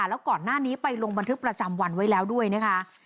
แล้วก่อนหน้านี้ไปลงบันทึกประจำวันไว้แล้วด้วยนะคะ